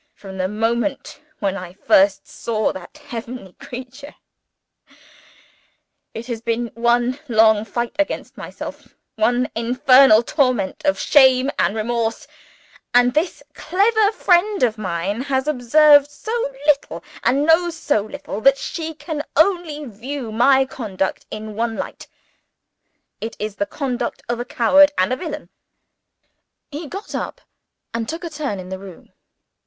From the moment when I first saw that heavenly creature, it has been one long fight against myself, one infernal torment of shame and remorse; and this clever friend of mine has observed so little and knows so little, that she can only view my conduct in one light it is the conduct of a coward and a villain!" He got up, and took a turn in the room.